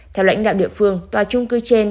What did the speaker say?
theo lãnh đạo địa phương tòa chung cư trên